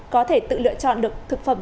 có thể tự lựa chọn được thực phẩm